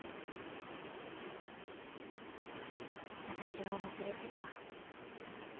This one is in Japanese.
私は忘れてた。